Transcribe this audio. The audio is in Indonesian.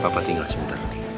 papa tinggal sebentar